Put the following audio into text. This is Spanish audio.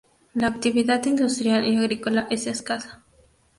La actividad industrial y agrícola es escasa.